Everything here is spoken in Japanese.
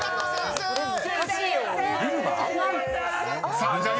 ［さあじゃあ